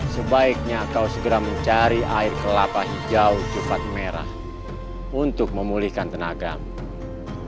sebaiknya kau segera mencari air kelapa hijau kupat merah untuk memulihkan tenaga